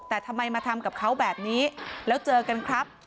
แต่ทำไมมาทำกับเขาแบบนี้แล้วเจอกันครับ